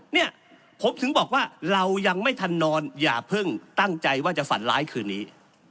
เนี่ยผมถึงบอกว่าเรายังไม่ทันนอนอย่าเพิ่งตั้งใจว่าจะฝันร้ายคืนนี้